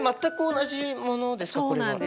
全く同じものですかこれは？